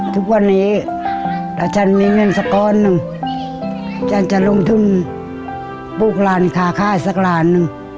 ทุกวันนี้ถ้าฉันมีเงินสักก้อนหนึ่งฉันจะลงทุนปลูกหลานค่ายสักล้านหนึ่ง